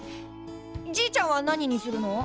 じいちゃんは何にするの？